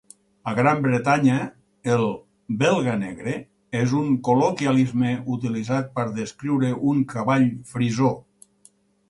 A Gran Bretanya, el "belga negre" és un col·loquialisme utilitzat per descriure un cavall frisó.